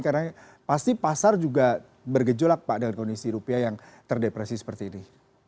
karena pasti pasar juga bergejolak pak dengan kondisi rupiah yang terdepresi seperti ini